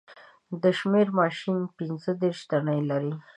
د شمېر ماشین پینځه دېرش تڼۍ لري